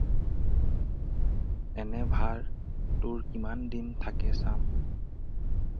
এনে ভাৰ তোৰ কিমান দিন থাকে চাম।